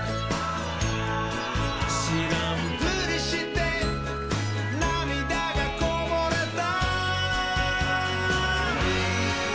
「しらんぷりしてなみだがこぼれた」